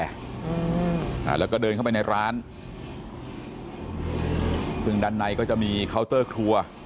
อ่าแล้วก็เดินเข้าไปในร้านซึ่งด้านในก็จะมีเคาน์เตอร์ครัว